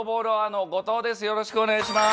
よろしくお願いします。